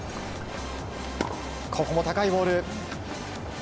ここも高いボール。